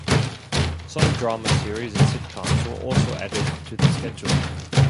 Some drama series and sitcoms were also added to the schedule.